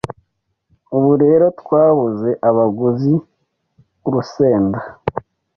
Ubu rero twabuze abaguzi urusenda